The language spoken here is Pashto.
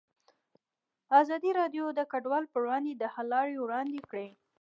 ازادي راډیو د کډوال پر وړاندې د حل لارې وړاندې کړي.